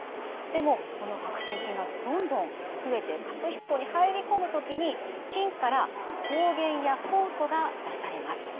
でもこの白癬菌がどんどん増えて角質層に入り込む時に菌から抗原や酵素が出されます。